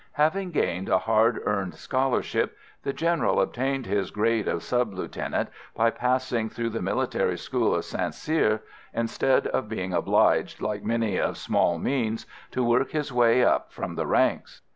Having gained a hard earned scholarship, the General obtained his grade of sub lieutenant by passing through the military school of St Cyr, instead of being obliged, like many of small means, to work his way up from the ranks.